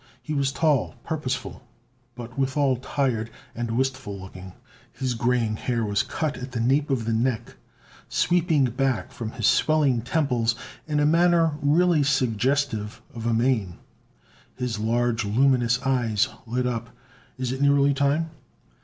He was tall, purposeful, but withal tired and wistful looking. His graying hair was cut at the nape of his neck, sweeping back from his swelling temples in a manner really suggestive of a mane. His large, luminous eyes lit up. "Is it nearly time?"